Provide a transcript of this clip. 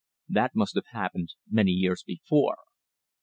That must have happened many years before.